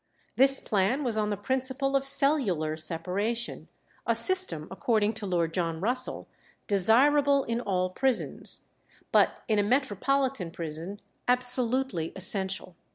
This plan was on the principle of cellular separation, a system, according to Lord John Russell, desirable in all prisons, "but in a metropolitan prison absolutely essential."